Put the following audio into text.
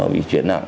vì chuyện nặng